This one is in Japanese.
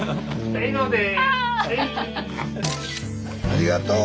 ありがとう。